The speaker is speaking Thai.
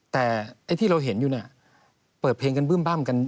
แต่ที่เราเห็นอยู่เปิดเพลงกันบึ้มบั้มกัน